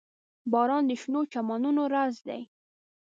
• باران د شنو چمنونو راز دی.